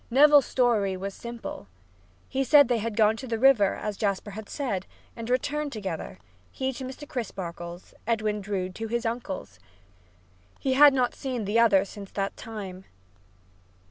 Neville's story was simple. He said they had gone to the river, as Jasper had said, and returned together, he to Mr. Crisparkle's, Edwin Drood to his uncle's. He had not seen the other since that time.